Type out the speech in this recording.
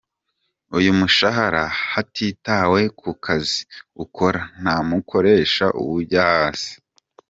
Uyu mushahara, hatitawe ku kazi ukora, nta mukoresha uwujya hasi.